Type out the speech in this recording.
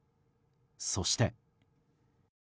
そして。